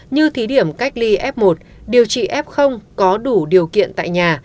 như thí điểm cách ly f một điều trị f có đủ điều kiện tại nhà